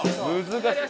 難しい。